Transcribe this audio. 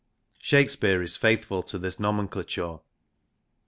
Shakespeare is faithful to this nomenclature.